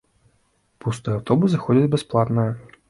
Пустыя аўтобусы ходзяць бясплатныя.